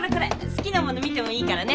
好きなもの見てもいいからね。